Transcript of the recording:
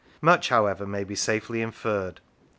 Much, however, may be safely inferred.